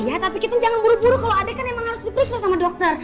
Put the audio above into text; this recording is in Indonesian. iya tapi kita jangan buru buru kalo adek kan emang harus diberi ke dokter